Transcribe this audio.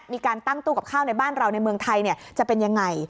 มีการตั้งตู้กับข้าวในบ้านเราในเมืองไทยจะเป็นยังไง